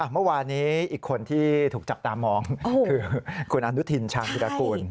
เมื่อวานนี้อีกคนที่ถูกจับตามองคือคุณอนุทินชาญวิรากูล